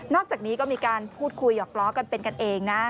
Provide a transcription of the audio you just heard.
อกจากนี้ก็มีการพูดคุยหยอกล้อกันเป็นกันเองนะ